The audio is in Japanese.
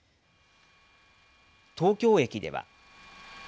東京駅では。